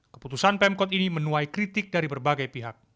keputusan pemkot ini menuai kritik dari berbagai pihak